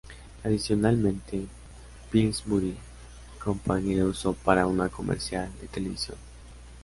Adicionalmente, Pillsbury Company la usó para un comercial de televisión.